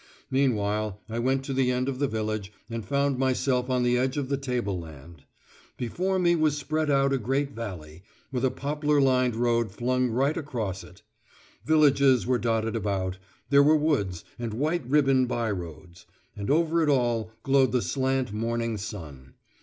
Meanwhile I went to the end of the village and found myself on the edge of the tableland; before me was spread out a great valley, with a poplar lined road flung right across it; villages were dotted about; there were woods, and white ribbon by roads. And over it all glowed the slant morning sun.